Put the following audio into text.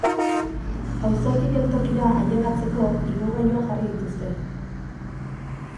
Auzotik geltokira ailegatzeko igogailuak jarri dituzte.